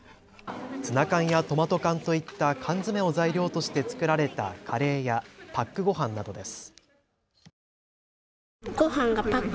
ツナ缶やトマト缶といった缶詰を材料として作られたカレーやパックごはんなどです。